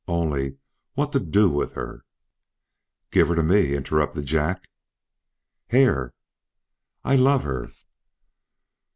Only what to do with her " "Give her to me," interrupted Jack. "Hare!" "I love her!"